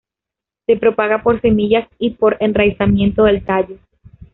Se propaga por semillas y por enraizamiento del tallo.